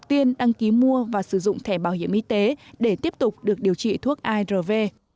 ưu tiên đăng ký mua và sử dụng thẻ bảo hiểm y tế để tiếp tục được điều trị thuốc arv